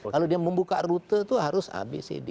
kalau dia membuka rute itu harus abcd